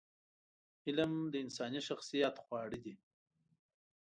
علم د انساني شخصیت خواړه دي.